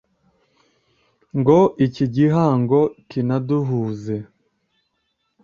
ngo iki gihango kinaduhuze